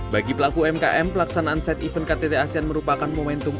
bagi pelaku umkm pelaksanaan set event ktt asean merupakan momentum